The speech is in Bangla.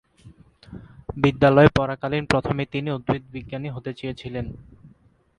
বিদ্যালয়ে পড়াকালীন প্রথমে তিনি উদ্ভিদবিজ্ঞানী হতে চেয়েছিলেন।